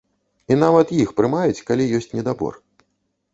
І нават іх прымаюць, калі ёсць недабор.